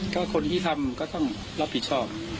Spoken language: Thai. ก็คนที่ทำก็ต้องรับผิดชอบ